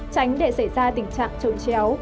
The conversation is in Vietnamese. tránh để xảy ra tình trạng trống chéo